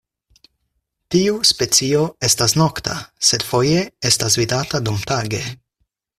Tiu specio estas nokta, sed foje estas vidata dumtage.